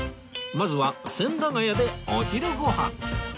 まずは千駄ヶ谷でお昼ご飯